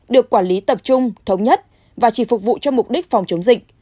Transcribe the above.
được quản lý tập trung thống nhất và chỉ phục vụ cho mục đích phòng chống dịch